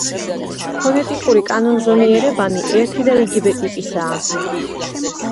ფონეტიკური კანონზომიერებანი ერთი და იგივე ტიპისაა.